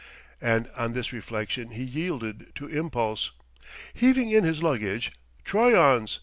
And on this reflection he yielded to impulse. Heaving in his luggage "Troyon's!"